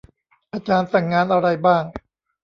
อาจารย์สั่งงานอะไรบ้าง